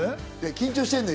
緊張してんのよ。